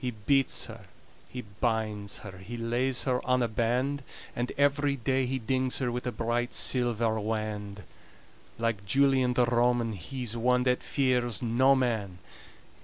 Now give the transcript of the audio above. He beats her, he binds her, He lays her on a band; And every day he dings her With a bright silver wand Like Julian the Roman He's one that fears no man.